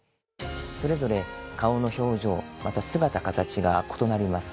それぞれ顔の表情また姿形が異なります。